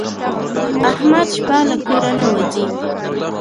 احمد شپه له کوره نه وځي.